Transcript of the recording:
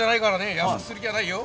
安くする気はないよ。